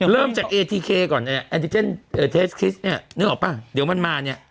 เริ่มจากเอทีเคก่อนเทสคริสเนี่ยนึกออกป่ะเดี๋ยวมันมาเนี่ย